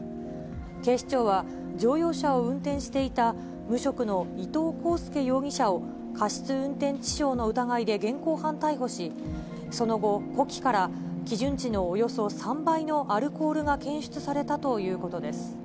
警視庁は、乗用車を運転していた無職の伊東こうすけ容疑者を、過失運転致傷の疑いで現行犯逮捕し、その後、呼気から基準値のおよそ３倍のアルコールが検出されたということです。